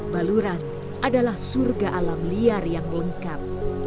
baluran adalah surga alam liar yang lengkap